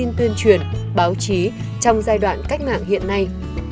công tin tuyên truyền báo chí trong giai đoạn cách mạng hiện nay